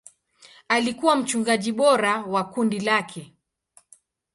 Alikuwa mchungaji bora wa kundi lake.